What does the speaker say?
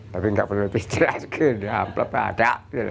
tapi tidak perlu dicera sekali amplop ada